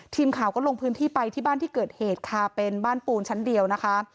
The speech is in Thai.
ทีมข่าวก็ลงพื้นที่ไปที่บ้านที่เกิดเหตุค่ะเป็นบ้านปูนชั้นเดียวนะคะ